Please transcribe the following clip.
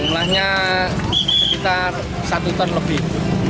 padung lahnya sekitar satu ton lebih